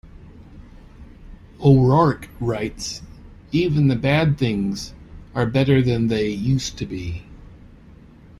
O'Rourke writes, Even the bad things are better than they used to be.